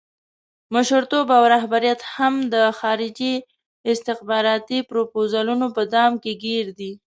مشرتوب او رهبریت هم د خارجي استخباراتي پروفوزلونو په دام کې ګیر دی.